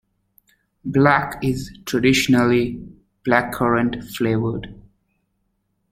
Black is traditionally blackcurrant flavoured.